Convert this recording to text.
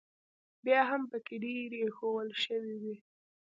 بیا هم پکې ډېرې ایښوول شوې وې.